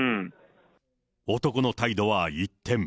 男の態度は一転。